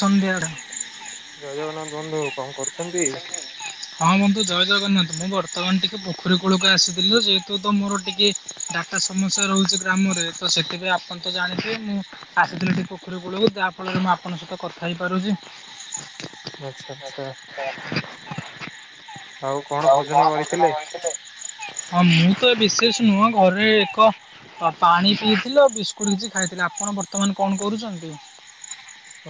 ସନ୍ଧ୍ୟାବେଳେ ଜୟ ଜଗନ୍ନାଥ ବନ୍ଧୁ, କଣ କରୁଛନ୍ତି? ହଁ ବନ୍ଧୁ ଜୟ ଜଗନ୍ନାଥ, ମୁଁ ବର୍ତ୍ତମାନ ଟିକି ପୋଖରୀ କୂଳକୁ ଆସିଥିଲି ଯେହେତୁ ତ ମୋର ଟିକେ ଡାଟା ସମସ୍ୟା ରହୁଛି ଗ୍ରାମରେ ତ ସେଥିପାଇଁ ଆପଣ ତ ଜାଣିଥିବେ ମୁଁ ଆସିଥିଲି ଟିକେ ପୋଖରୀ କୂଳକୁ ଯା ଫଳରେ ମୁଁ ଆପଣଙ୍କ ସହିତ କଥା ହେଇପାରୁଛି। ଆଚ୍ଛା ଆଚ୍ଛା। ଆଉ କଣ ଭୋଜନ କରିଥିଲେ? ହଁ ମୁଁ ତ ଏ ବିଶେଷ ନୁହଁ ଘରେ ଏକ ହଁ ପାଣି ପିଇଥିଲି ଆଉ ବିସ୍କୁଟ କିଛି ଖାଇଥିଲି। ଆପଣ ବର୍ତ୍ତମାନ କଣ କରୁଛନ୍ତି?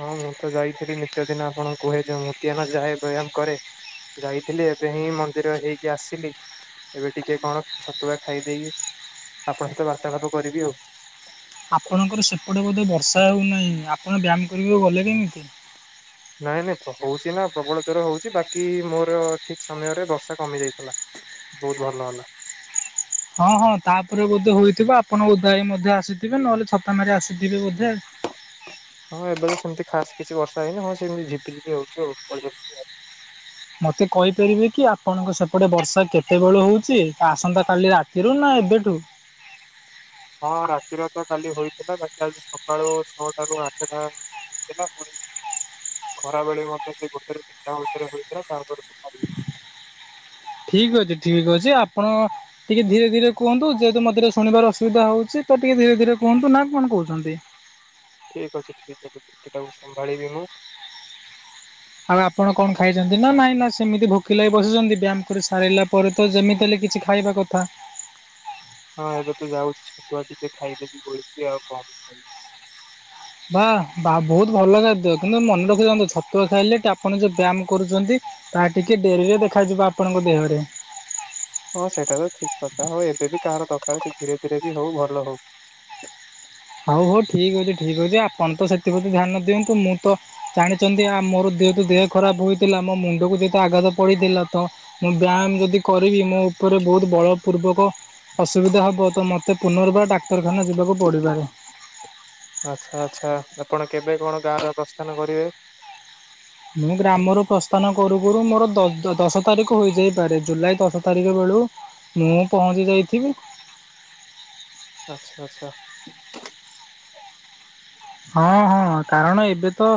ହଁ ମୁଁ ତ ଯାଇଥିଲି ନିତ୍ୟ ଦିନ ଆପଣଙ୍କୁ କୁହେ ଯେ ମୁଁ ତିଆନା ଯାଏ ବ୍ୟାୟାମ କରେ। ଯାଇଥିଲି ଏବେ ହିଁ ମନ୍ଦିର ହେଇକି ଆସିଲି। ଏବେ ଟିକେ କଣ ଛତୁଆ ଖାଇଦେଇକି ଆପଣଙ୍କ ସହିତ ବାର୍ତ୍ତାଳାପ କରିବି ଆଉ। ଆପଣଙ୍କର ସେପଟେ ବୋଧେ ବର୍ଷା ହଉନାହିଁ, ଆପଣ ବ୍ୟାୟାମ କରିବାକୁ ଗଲେ କେମିତି? ନାଇଁ ନାଇଁ ପକଉଛି ନା ପ୍ରବଳ ଜୋରରେ ହଉଛି ବାକି ମୋର ଠିକ୍ ସମୟରେ ବର୍ଷା କମି ଯାଇଥିଲା। ବହୁତ ଭଲ ହେଲା। ହଁ ହଁ ତାପରେ ବୋଧେ ହୋଇଥିବ ଆପଣ ଓଦାହୋଇ ମଧ୍ୟ ଆସିଥିବେ ନହେଲେ ଛ ଛତାମାରି ଆସିଥିବେ ବୋଧେ। ହଁ ଏବେ ବି ସେମିତି ଖାସ୍ କିଛି ବର୍ଷା ହେଇନି ହଁ ସେମିତି ଝିପିଝିପି ହଉଛି ଆଉ। ମୋତେ କହିପାରିବେ କି ଆପଣଙ୍କ ସେପଟେ ବର୍ଷା କେତେବେଳୁ ହେଉଛି ଆସନ୍ତାକାଲି ରାତିରୁ ନା ଏବେଠୁ? ହଁ ରାତିରେ ତ କାଲି ହୋଇଥିଲା ବାକି ଆଜି ସକାଳୁ ଛଅଟାରୁ ଆଠଟା। ହୋଇଥିଲା ପୁଣି ଖରାବେେଳେ ମଧ୍ୟ ସେ ଗୋଟେରୁ ତିନିଟା ଆଉଥରେ ହଉଥିଲା ତାପରେ ତ ଛାଡି ଯାଇଥିଲା। ଠିକ୍ ଅଛି ଠିକ୍ ଅଛି ଆପଣ ଟିକେ ଧୀରେ ଧୀରେ କୁହନ୍ତୁ ଯେହେତୁ ମତେ ଟିକେ ଶୁଣିବାରେ ଅସୁବିଧା ହଉଛି ତ ଟିକେ ଧୀରେ ଧୀରେ କୁହନ୍ତୁ ନା କଣ କହୁଛନ୍ତି? ଠିକ୍ ଅଛି ଠିକ୍ ଅଛି ତ୍ରୁଟିଟାକୁ ସମ୍ଭାଳିବି ମୁଁ। ଆଉ ଆପଣ କଣ ଖାଇଛନ୍ତି ନା ନାଇଁ ନା ସେମିତି ଭୋକିଲା ହିଁ ବସିଛନ୍ତି ବ୍ୟାୟାମ କରି ସାରିଲା ପରେ ତ ଯେମିତି ହେଲେ କିଛି ଖା ଖାଇବା କଥା। ହଁ ଏବେ ତ ଯାଉଛି ଛତୁଆ ଟିକେ ଖାଇଦେବି ଗୋଳିକି ଆଉ କଣ ଖାଇବି। ବା, ବା ବହୁତ ଭଲ ଖାଦ୍ୟ କିନ୍ତୁ ମନେ ରଖିଥାନ୍ତୁ ଛତୁଆ ଖାଇଲେ ଆପଣ ଯଉ ବ୍ୟାୟାମ କରୁଚନ୍ତି ତାହା ଟିକେ ଡେରିରେ ଦେଖାଯିବ ଆପଣଙ୍କ ଦେହରେ। ହଁ ସେଇଟା ତ ଠିକ୍ କଥା ହଉ ଏବେ ବି କାହାର ଦରକାର ସେ ଧୀରେ ଧୀରେ ବି ହଉ ଭଲ ହଉ। ହଉ ହଉ ଠିକ୍ ଅଛି ଠିକ୍ ଅଛି ଆପଣ ତ ସେଥିପ୍ରତି ଧ୍ୟାନ ଦିଅନ୍ତୁ ମୁଁ ତ ଜାଣିଛନ୍ତି ଆ ମୋର ଯେହେତୁ ଦେହ ଖରାପ ହୋଇଥିଲା ମୋ ମୁଣ୍ଡକୁ ଯେହେତୁ ଆଘାତ ପଡିଥିଲା ତ ମୁଁ ବ୍ୟାୟାମ ଯଦି କରିବି ମୋ ଉପରେ ବହୁତ ବଳ ପୂର୍ବକ ଅସୁବିଧା ହେବ ତ ମୋତେ ପୁନର୍ବାର ଡାକ୍ତରଖାନା ଯିବାକୁ ପଡ଼ିପାରେ। ଆଚ୍ଛା ଆଚ୍ଛା, ଆପଣ କେବେ କଣ ଗାଁର ପ୍ରସ୍ଥାନ କରିବେ? ମୁଁ ଗ୍ରାମରୁ ପ୍ରସ୍ ତମେ କରୁ କରୁ ମୋର ଦଶ ତାରିଖ ହୋଇଯାଇପାରେ। ଜୁଲାଇ ଦଶ ତାରିଖ ବେଳୁକୁ ମୁଁ ପହଞ୍ଚି ଯାଇଥିବି। ଆଛା ଆଛା। ହଁ ହଁ କାରଣ ଏବେ ତ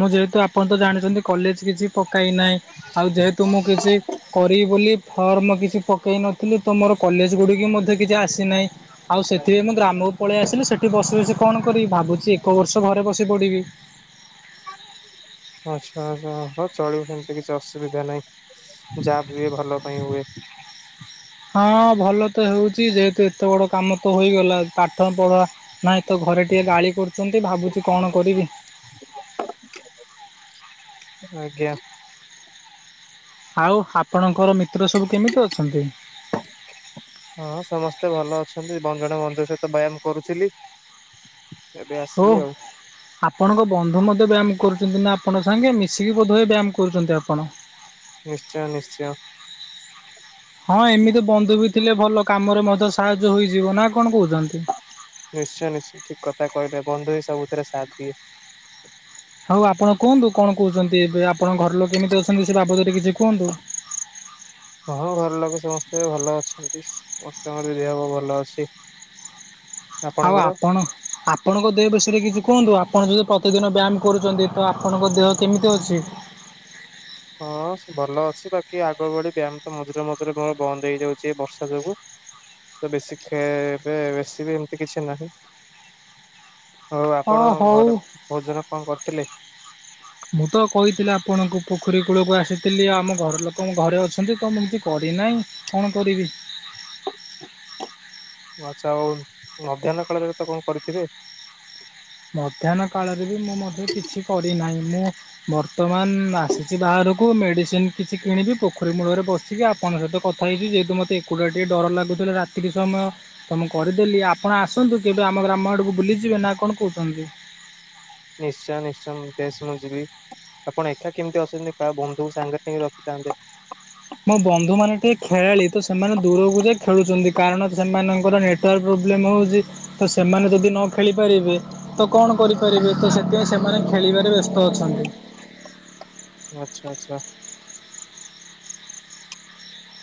ମୁଁ ଯେହେତୁ ଆପଣ ତ ଜାଣିଛନ୍ତି କଲେଜ କିଛି ପକାଇନାହିଁ ଆଉ ଯେହେତୁ ମୁଁ କିଛି କରିିବି ବୋଲି ଫର୍ମ କିଛି ପକାଇ ନ ମୁଁ ତମର କଲେଜ ଗୁଡ଼ିକୁ ମଧ୍ୟ କିଛି ଆସିନାହିଁ ଆଉ ସେଥିପାଇଁ ମୁଁ ଗ୍ରାମ ପଳେଇ ଆସିଲେ ସେଇଠି ବସି ବସି କଣ କରିବି ଭାବୁଛି ଏକ ବର୍ଷ ଘରେ ବସି ପଡ଼ିବି। ଆଛା ଆଛା ହଁ ଚଳିବ ସେମିତି କିଛି ଅସୁବିଧା ନାହିଁ। ଯାହା ହୁଏ ଭଲ ପାଇଁ ହୁଏ। ହଁ ଭଲ ତ ହେଉଛି ଯେହେତୁ ଏତେ ବଡ଼ କାମ ତ ହୋଇଗଲା ପାଠ ପଢ଼ା ନାଇଁ ତ ଘରେ ଟିକେ ଗାଳି କରୁଛନ୍ତି ଭାବୁଛିୁ କଣ କରିବି? ଆଜ୍ଞା। ଆଉ, ଆପଣଙ୍କର ମିତ୍ର ସବୁ କେମିତି ଅଛନ୍ତି? ହଁ ସମସ୍ତେ ଭଲ ଅଛନ୍ତି ବଂ ଜଣେ ବନ୍ଧୁଙ୍କ ସହିତ ବ୍ୟାୟାମ କରୁଥିଲି। ଏବେ ଓ ଆସିଲି ଆଉ। ଆପଣଙ୍କ ବନ୍ଧୁ ମଧ୍ୟ ବ୍ୟାୟାମ କରୁଚନ୍ତି ନା ଆପଣଙ୍କ ସାଙ୍ଗେ ମିଶିକି ବୋଧହୁଏ ବ୍ୟାୟାମ କରୁଚନ୍ତି ଆପଣ? ନିଶ୍ଚୟ ନିଶ୍ଚର। ହଁ ଏମିତି ବନ୍ଧୁ ବି ଥିଲେ ଭଲ କାମରେ ମଧ୍ୟ ସାହାଯ୍ୟ ହୋଇଯିବ ନା କଣ କହୁଛନ୍ତି? ନିଶ୍ଚୟ ନିଶ୍ଚୟ ଠିକ୍ କଥା କହିଲେ ବନ୍ଧୁ ବି ସବୁଥିରେ ସାଥ ଦିଏ। ହଉ ଆପଣ କୁହନ୍ତୁ କଣ କହୁଚନ୍ତି ଆପଣଙ୍କ ଘର ଲୋକ କେମିତି ଅଛନ୍ତି ସେ ବାବଦରେ କିଛି କୁହନ୍ତୁ? [inaudible] ହଁ ଘର ଲୋକେ ସମସ୍ତେ ବି ଭଲ ଅଛନ୍ତି ସମସ୍ତଙ୍କର ବି ଦେହ ହବ ଭଲ ଅଛି। [inaudible] ଆଉ ଆପଣ ଆ ଆପଣଙ୍କ ଦେହ ବିଷୟରେ କିଛି କୁହନ୍ତୁ ଆପଣ ଯଦି ପ୍ରତିଦିନ ବ୍ୟାୟାମ କରୁଛନ୍ତି ତ ଆପଣଙ୍କ ଦେହ କେମିତି ଅଛି? ହଁ ଭଲ ଅଛି ବାକି ଆଗ ଭଳି ବ୍ୟାୟାମ ତ ମଝିରେ ମଝିରେ ବନ୍ଦ ହେଇଯାଉଛି ଏଇ ବର୍ଷା ଯୋଗୁ। ତ ବେଶୀ ଖେ ଏବେ ବେଶୀ ବି ଏମିତି କିଛି ନାହିଁ। ହଉ ଅ ଆପଣ ହଉ। ଘରେ ଭୋଜନ କଁ କରିଥିଲେ? ମୁଁ ତ କହିଥିଲି ଆପଣଙ୍କୁ ପୋଖରୀ କୂଳକୁ ଆସିଥିଲି ଆମ ଘର ଲୋକ ମୋ ଘରେ ଅଛନ୍ତି ତ ମୁଁ ଏମିତି କରିନାହିଁ। କଣ କରିବି? ଆଚ୍ଛା ଆଉ ମଧ୍ୟାହ୍ନ କାଳରେ ତ କଣ କରିଥିବେ। ମଧ୍ୟାହ୍ନ କାଳରେ ବି ମୁଁ ମଧ୍ୟ କିଛି କରିନାହିଁ ମୁଁ ବର୍ତ୍ତମାନ ଆସିଛି ବାହାରୁକୁ। କୁ ମେଡ଼ିସିନ୍ କିଛି କିଣିବି ପୋଖରୀ ମୂଳରେ ବସିକି ଆପଙ୍କ ସହିତ କଥା ହେଇଚି ଯେହେତୁ ମତେ ଏକୁଟା ଟିକେ ଡର ଲାଗୁଥିଲା ରା ଏତିକି ସମୟ ତ ମୁଁ କରିଦେଲି ଆପଣ ଆସନ୍ତୁ କେବେ ଆମ ଗ୍ରାମ ଆଡ଼କୁ ବୁଲିଯିବେ ନା କଣ କହୁଛନ୍ତି? ନିଶ୍ଚୟ ନିଶ୍ଚୟ ବେଶ ମୁଁ ଯିବି। ଆପଣ ଏକା କେମିତି ଅସଛନ୍ତି କାହା ବନ୍ଧୁ ସାଙ୍ଗରେ ନେଇକି ରଖିଥାନ୍ତେ। ମୋ ବନ୍ଧୁମାନେ ଟିକେ ଖେଳାଳି ତ ସେମାନେ ଦୂରକୁ ଯାଇ ଖେଳୁଛନ୍ତି କାରଣ ସେମାନଙ୍କର ନେଟ୍ ତାର ପ୍ରୋବ୍ଲେମ୍ ହେଉଚି ତ ସେମାନେ ଯଦି ନ ଖେଳିପାରିବେ ତ କଣ କରିପାରିବେ ତ ସେଥିପାଇଁ ସେମାନେ ଖେଳିବାରେ ବ୍ୟସ୍ତ ଅଛନ୍ତି। ଆଚ୍ଛା ଆଚ୍ଛା।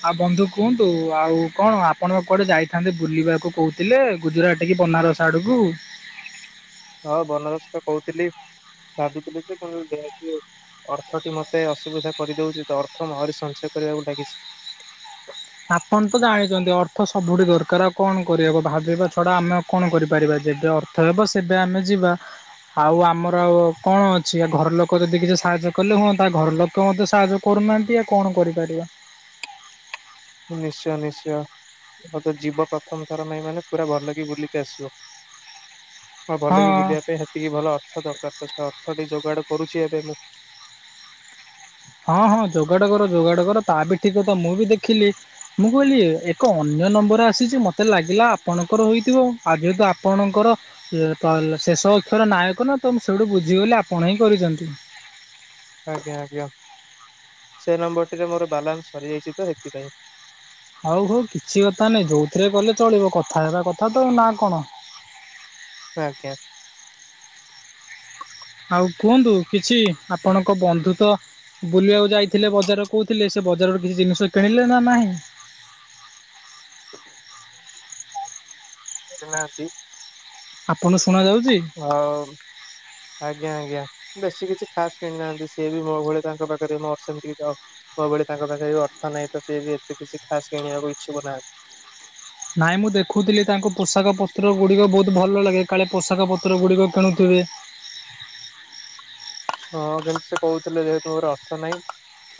ଆଉ ବନ୍ଧୁ କୁହନ୍ତୁ ଆଉ କଣ ଆପଣ କୁଆଡେ ଯାଇଥାନ୍ତେ ବୁଲିବାକୁ କହୁ ଥିଲେ ଗୁଜୁରାଟ କି ବନାରସ ଆଡ଼କୁ। ହଁ ବନରସ ତ କହୁଥିଲି ଭାବିଥିଲି ଯେ [unintelligible] ଅର୍ଥଟି ମୋତେ ଅସୁବିଧା କରିଦେଉଛି ତ ଅର୍ଥ ଆହୁରି ସଞ୍ଚୟ କରିବାକୁ ଲାଗିଛି। ଆପଣ ତ ଜାଣିଛନ୍ତି ଅର୍ଥ ସବୁଠି ଦରକାରଉ କଣ କରିବାକୁ ଭାବିବା ଛଡା ଆମେ କଣ କରିପାରିବା। ଯେବେ ଅର୍ଥ ଥ ରହିବ ସେବେ ଆମେ ଯିବା। ଆଉ ଆମର ଆଉ କଣ ଅଛି ଆ ଘର ଲୋକ ଯଦି କିଛି ସାହାଯ୍ୟ କଲେ ହୁଅନ୍ତା ଘର ଲୋକ ମତେ ସାହାଯ୍ୟ କରୁନାହାନ୍ତି ଆ କଣ କରିପାରିବା। ନିଶ୍ଚୟ ନିଶ୍ଚୟ। ମ ତ ଯିବ ପ୍ରଥମ ଥର ପାଇଁ ମାନେ ପୁରା ଭଲକି ବୁଲିକି ଆସିବ। ହଁ ଭଲ ବି ବୁଲିବା ପାଇଁ ହେତିକି ଭଲ ଅର୍ଥ ଦରକାର ତ ସେ ଅର୍ଥ ଟି ଯୋଗାଡ କରୁଛି ଏବେ ମୁଁ। ହଁ ହଁ ଯୋଗାଡ଼ କର ଯୋଗାଡ଼ କର ତା ବି ଠିକ କଥା ମୁଁ ବି ଦେଖିଲି ମୁଁ କହିଲି ଏକ ଅନ୍ୟ ନମ୍ବର ଆସିଛି ମତେ ଲାଗିଲା ଆପଣଙ୍କର ହୋଇଥିବ ଆଉ ଯେହେତୁ ଆପଣଙ୍କର ଶେଷ ଅକ୍ଷର ନାୟକ ନା ତ ମୁଁ ସେଇଠୁ ବୁଝିଗଲି ଆପଣ ହିଁ କରିଛନ୍ତି। ଆଜ୍ଞା ଆଜ୍ଞା ସେ ନମ୍ବର ଟିରେ ମୋର ବାଲାନ୍ସ ସରିଯାଇଛି ତ ସେଥିପାଇଁ। ଆଉ ହଉ କିଛି କଥା ନାହିଁ ଯୋଉଥିରେ କଲେ ଚଳିବ କଥା ହେବା କଥା ତ ନା କଣ। ଆଜ୍ଞା। ଆଉ କୁହନ୍ତୁ କିଛି ଆପଣଙ୍କ ବନ୍ଧୁ ତ ବୁଲିବାକୁ ଯାଇଥିଲେ ବଜାର କହୁଥିଲେ ସେ ବଜାରରୁ କିଛି ଜିନିଷ କିଣିଲେ ନା ନାହିଁ? [inaudible] ନାହାନ୍ତି ଆପଣ ଶୁଣାଯାଉଛି? ହଉ ଆଜ୍ଞା ଆଜ୍ଞା। ବେଶୀ କିଛି ଖାସ୍ କିଣିନାହାନ୍ତି ସିଏ ବି ମୋ ଭଳି ତାଙ୍କ ପାଖରେ ମୋର ସେମିତି କିଛି ମୋ ଭଳି ତାଙ୍କ ପାଖ ବି ଅର୍ଥ ନାହିଁ ତ ସିଏ ବି ଏତେ କିଛି ଖାସ୍ କିଣିବାକୁ ଇଚ୍ଛୁକ ନାହାନ୍ତି। ନାଇଁ ମୁଁ ଦେଖୁଥିଲି ତାଙ୍କୁ ପୋଷାକ ପତ୍ର ଗୁଡିକ ବହୁତ ଭଲ ଲାଗେ କାଳେ ପୋଷାକ ପତ୍ର ଗୁଡିକ କିଣୁଥିବେ। ହଁ କିନ୍ତୁ ସେ କହୁଥିଲେ ଯେହତୁର ଅର୍ଥ ନାହିଁ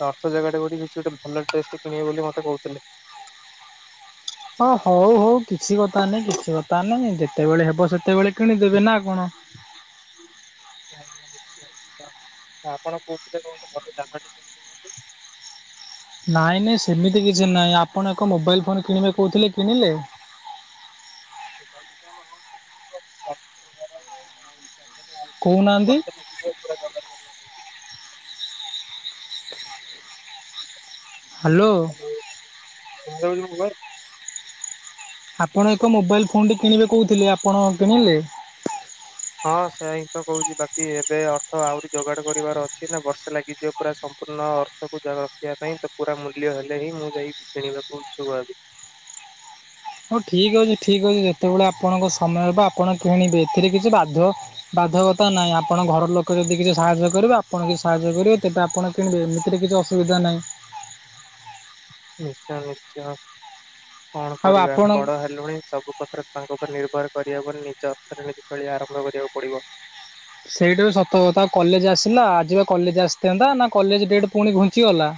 ଅର୍ଥ ଜାଗା ଟେ କିଛି ଗୋଟେ ଭଲ ଟେଷ୍ଟ କିଣିବେ ବୋଲି ମତେ କହୁଥିଲେ। ହଁ ହଉ ହଉ କିଛି କଥା ନହିଁ କିଛି କଥା ନାଇଁ ଯେତେବେଳେ ହେବ ସେତେବେଳେ କିଣିଦେବେ ନା କଣ। ଆପଣ କୋଉଥିରେ କଣ [unintelligible] ନାଇଁ ହେଇ ସେମିତି କିଛି ନାହିଁ ଆପଣ ଏକ ମୋବାଇଲ୍ ଫୋନ୍ କିଣିବେ କହୁଥିଲେ କିଣିଲେ? [unintelligible] କୋହୁନାହାନ୍ତି? [unintelligible] ହାଲୋ। [unintelligible] ଆପଣ ଏକ ମୋବାଇଲ ଫୋନଟି କିଣିବେ କହୁଥିଲେ ଆପଣ କିଣିଲେ? ହଁ ସେଆ ହିଁ ତ କହୁଛି ବାକି ଏବେ ଅର୍ଥ ଆହୁରି ଯୋଗାଡ଼ କରିବାର ଅଛି ନା ବର୍ଷେ ଲାଗିଯିବ ପୁରା ସମ୍ପୂର୍ଣ୍ଣ ଅର୍ଥକୁ ରଖିବା ପାଇଁ ତ ପୁରା ମୂଲ୍ୟ ହେଲେ ହିଁ ମୁଁ ଯାଇ କିଣିବାକୁ ଇଛୁକ ହେବି। ହଉ ଠିକ୍ ଅଛି ଠିକ୍ ଅଛି ଯେତେବେଳେ ଆପଣଙ୍କ ସମୟ ହେବ ଆପଣ କିଣିବେ ଏଥିରେ କିଛି ବାଧ୍ୟ ବାଧକତା ନାହିଁ ଆପଣ ଘର ଲୋକ ଯଦି କିଛି ସାହାଯ୍ୟ କରିବେ ଆପଣ କିଛି ସାହାଯ୍ୟ କରିବେ ତେବେ ଆପଣ କିଣିବେ ଏମିତିରେ କିଛି ଅସୁବିଧା ନାହିଁ। ନିଶ୍ଚୟ ନିଶ୍ଚୟ କଣ ଆଉ କରିବା ଆପଣ ବଡ ହେଲୁଣି ସବୁ କଥା ତାଙ୍କ ଉପରେ ନିର୍ଭର କରିବାକୁ ହବନି ନିଜ ଅର୍ଥରେ ନିଜେ ଚଳିବା ଆରମ୍ଭ କରିବାକୁ ପଡିବ। ସେଇଟା ବି ସତ ତା କଲେଜ ଆସିଲା ଆଜିିବା କଲେଜ ଆସିଥାନ୍ତା ନା କଲେଜ ଡେଟ୍ ପୁଣି ଘୁଞ୍ଚିଗଲା।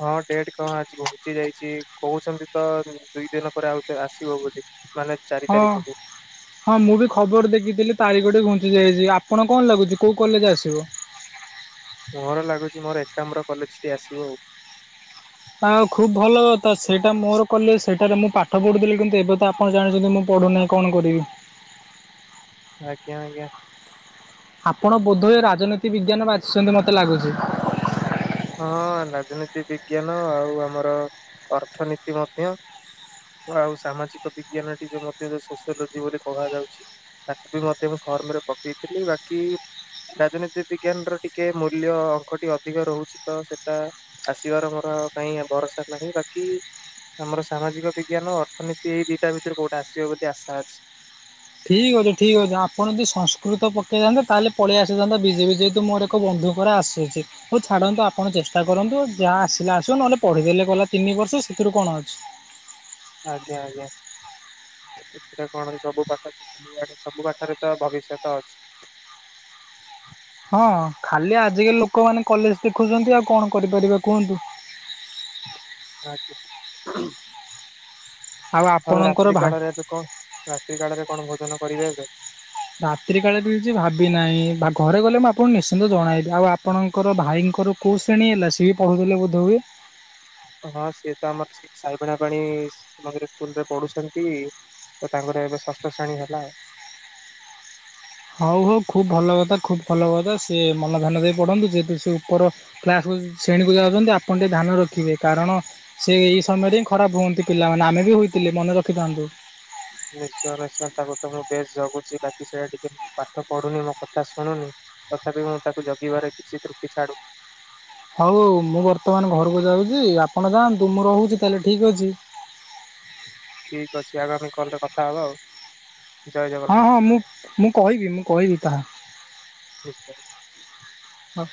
ହଁ ଡେଟ୍ କଣ ଆଜି ଘୁଞ୍ଚି ଯାଇଛି କହୁଛନ୍ତି ତ ଦୁଇ ଦିନ ପରେ ଆଉ ଥରେ ଆସିବ ବୋଲି। ମାନେ। ଚାରି ହଁ। ତାରିଖକୁ ହଁ ମୁଁ ବି ଖବର ଦେଖିଥିଲି ତାରିଖ ଟିକେ ଘୁଞ୍ଚି ଯାଇଚି ଆପଣ କଣ ଲାଗୁଚି କୋଉ କଲେଜ୍ ଆସିବ? ମୋର ଲାଗୁଚି ମୋର ଏକାମର କଲେଜ୍ ଟି ଆସିବ ଆଉ। ଆ ଖୁଵ୍ ଭଲ କଥା ସେଇଟା ମୋର କଲେଜ୍ ସେଇଟାରେ ମୁଁ ପାଠ ପଢୁଥିଲି କିନ୍ତୁ ଏବେ ତା ଆପଣ ଜାଣିଚନ୍ତି ମୁଁ ପଢ଼ୁନାହିଁ କଣ କରିବି? ଆଜ୍ଞା ଆଜ୍ଞା। ଆପଣ ବୋଧହୁଏ ରାଜନୀତି ବିଜ୍ଞାନ ବାଛିଛନ୍ତି ମୋତେ ଲାଗୁଚି? ହଁ ରାଜନୀତି ବିଜ୍ଞାନ ଆଉ ଆମର ଅର୍ଥନୀତି ମଧ୍ୟ। ଆଉ ସାମାଜିକ ବିଜ୍ଞାନ ଟି ଯୋଉ ମଧ୍ୟ ସୋସିଓଲୋଜି ବୋଲି କୁହାଯାଉଚି। ତାକୁ ବି ମଧ୍ୟ ମୁଁ ଫର୍ମ ରେ ପକେଇଥିଲି ବାକି ରାଜନୀତି ବିଜ୍ଞାନ ର ଟିକେ ମୂଲ୍ୟ ଅଙ୍କଟି ଅଧିକ ରହୁଚି ତ ସେଟା ଆସିବାର ମୋର କାଇଁ ଭରସା ନାହିଁ ବାକି ଆମର ସାମାଜିକ ବି ବିଜ୍ଞାନ ଅର୍ଥନୀତି ଏଇ ଦିଇଟା ଭିତରେ କୋଉଟା ଆସିବ ବୋଲି ଆଶା ଅଛି। ଠିକ୍ ଅଛି ଠିକ୍ ଅଛି ଆପଣ ଯଦି ସଂସ୍କୃତ ପକେଇଥାନ୍ତେ ତାହେଲେ ପଳେଇ ଆସିଥାନ୍ତା ବିଜେପି ଯେହେତୁ ମୋର ତାଙ୍କ ବନ୍ଧୁକର ଆସୁଚି। ହୋଉ ଛାଡନ୍ତୁ ଆପଣ ଚେଷ୍ଟା କରନ୍ତୁ ଯାହା ଆସିଲେ ଆସିବ ନ ହେଲେ ପଢିଦେଲେ ଗଲା ତିନି ବର୍ଷ ସେଥିରୁ କଣ ଅଛି। ଆଜ୍ଞା ଆଜ୍ଞା। ଏଥିରେ କଣ ସବୁ ପାଠ ତ ସବୁ ପାଠ ସବୁ ପାଠରେ ତ ଭବିଷ୍ୟତ ଅଛି। ହଁ ଖାଲି ଆଜିକାଲି ଲୋକମାନେ କଲେଜ ଶିଖୁଛନ୍ତି ଆଉ କଣ କରିପାରିବା କୁହନ୍ତୁ। ଆଜ୍ଞା। ଆଉ ଆପଣଙ୍କର ରାତ୍ରି ଭା କାଳରେ ଏବେ କଣ ରାତ୍ରି କାଳରେ କଣ ଭୋଜନ କରିବେ ଏବେ? ରାତ୍ରି କାଳରେ ବି କିଛି ଭାବି ନାହିଁ ଭା ଘରେ ଗଲେ ମୁଁ ଆପଣଙ୍କୁ ନିଶ୍ଚିନ୍ତ ଜଣେଇବି ଆଉ ଆପ୍ ଆପଣଙ୍କର ଭାଇଙ୍କର କଉ ଶ୍ରେଣୀ ହେଲା ସିଏ ବି ପଢ଼ୁଥିଲେ ବୋଧହୁଏ ହଁ ସିଏ ତ ଆମର ସେ ଶାଇବାନିଆପାଣି ଶିଶୁମନ୍ଦିର ସ୍କୁଲରେ ପଢୁଛନ୍ତି। ତ ତାଙ୍କର ଏବେ ଷଷ୍ଠ ଶ୍ରେଣୀ ହେଲା। ହଉ ହଉ ଖୁବ୍ ଭଲ କଥା ଖୁବ୍ ଭଲ କଥା ସିଏ ମନ ଧ୍ୟାନ ଦେଇ ପଢନ୍ତୁ ଯେହେତୁ ସେ ଉପର କ୍ଲାସକୁ ଶ୍ରେଣୀକୁ ଯାଉଚନ୍ତି ଆପଣ ଟିକେ ଧ୍ୟାନ ରଖିବେ କାରଣ ସେ ଏଇ ସମୟରେ ହିଁ ଖରାପ ହୁଅନ୍ତି ପିଲାମାନେ ଆମେ ବି ହୋଇଥିଲେ ମନେ ରଖିଥାନ୍ତୁ। ନିଶ୍ଚୟ ନିଶ୍ଚୟ ତାକୁ ତ ମୁଁ ବେଶ୍ ଜଗୁଛି ବାକି ସେଇଟା ଟିକେ ପାଠ ପଢୁନି ମୋ କଥା ଶୁଣୁନି ତଥାପି ମୁଁ ତାକୁ ଜଗିବାରେ କିଛି ତ୍ରୁଟି ଛାଡୁନି। ହଉ ଅଉ ମୁଁ ବର୍ତ୍ତମାନ ଘରକୁ ଯାଉଚି ଆପଣ ଯାଆନ୍ତୁ ମୁଁ ରହୁଚି ତାହେଲେ ଠିକ୍ ଅଛି। ଠିକ ଅଛି ଆଗାମୀ କଲରେ କଥା ହବା ଆଉ। ଜୟ ହଁ ଜଗନ୍ନାଥ ହଁ ମୁଁ ମୁଁ କହିବି ମୁଁ କହିବି ତାହା। ନିଶ୍ଚୟ। ହଁ।